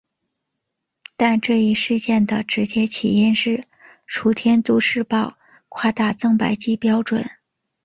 但这一事件的直接起因是楚天都市报夸大增白剂标准。